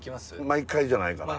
毎回じゃないかな。